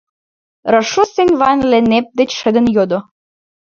— Рошуссен Ван-Леннеп деч шыдын йодо.